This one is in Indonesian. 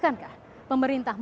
yang ketiga sebagai perusahaan